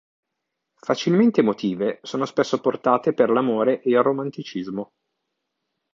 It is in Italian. Facilmente emotive, sono spesso portate per l'amore e il romanticismo.